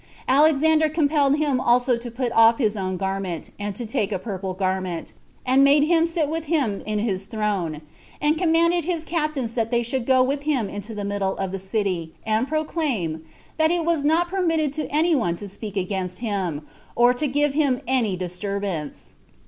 Alexander compelled him also to put off his own garment, and to take a purple garment, and made him sit with him in his throne; and commanded his captains that they should go with him into the middle of the city, and proclaim, that it was not permitted to any one to speak against him, or to give him any disturbance.